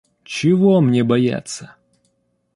Чего мне бояться?